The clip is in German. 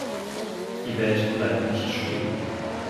Die Welt bleibt nicht stehen!